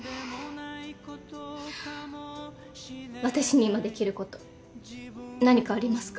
私に今できること何かありますか？